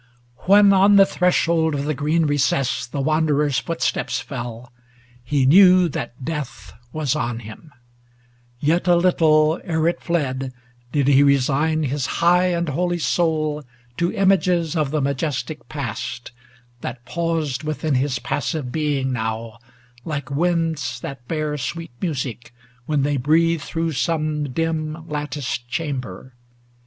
When on the threshold of the green recess The wanderer's footsteps fell, he knew that death Was on him. Yet a little, ere it fled, Did he resign his high and holy soul To images of the majestic past, 629 That paused within his passive being now, Like winds that bear sweet music, when they breathe Through some dim latticed chamber.